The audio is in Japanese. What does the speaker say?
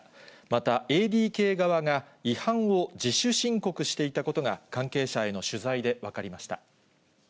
またＡＤＫ側が違反を自主申告していたことが関係者への取材で分かりました。